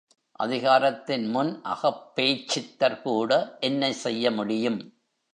அதிகாரத்தின் முன் அகப்பேய்ச் சித்தர்கூட என்ன செய்யமுடியும்?